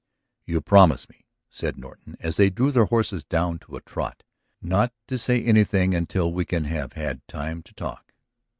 "You promise me," said Norton as they drew their horses down to a trot, "not to say anything until we can have had time to talk?"